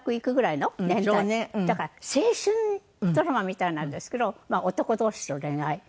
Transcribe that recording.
だから青春ドラマみたいなんですけど男同士の恋愛。